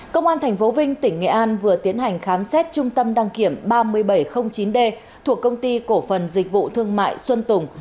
công an tp vinh tỉnh nghệ an vừa tiến hành khám xét trung tâm đăng kiểm ba nghìn bảy trăm linh chín d thuộc công ty cổ phần dịch vụ thương mại xuân tùng